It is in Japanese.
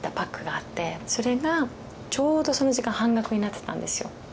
それがちょうどその時間半額になってたんですよ。